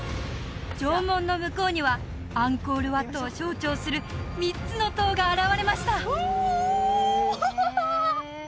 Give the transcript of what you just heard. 城門の向こうにはアンコール・ワットを象徴する３つの塔が現れましたおお！